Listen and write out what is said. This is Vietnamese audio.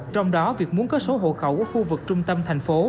trong đó việc muốn có số hộ khẩu ở khu vực trung tâm thành phố